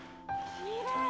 きれい！